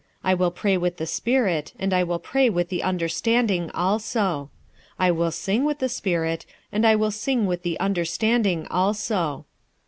I will pray with the spirit, and I will pray with the understanding also: I will sing with the spirit, and I will sing with the understanding also.